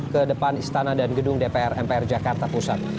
ke depan istana dan gedung dpr mpr jakarta pusat